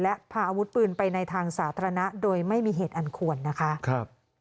และพาอาวุธปืนไปในทางสาธารณะโดยไม่มีเหตุอันควรนะคะ